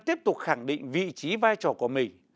tiếp tục khẳng định vị trí vai trò của mình